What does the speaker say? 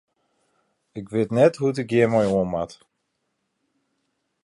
Ik wit net hoe't ik hjir mei oan moat.